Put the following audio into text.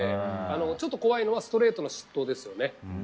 ちょっと怖いのはストレートの失投ですね。